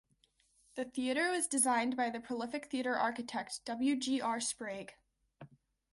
The theatre was designed by the prolific theatre architect W. G. R. Sprague.